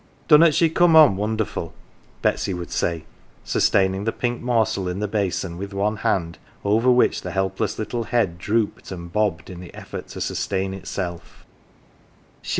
.J|el "Dunnot she come on wonderful ?" Betsy would say, sustaining the pink morsel in the basin with one hand over which the helpless little head drooped and bobbed in the effort to sustain itself.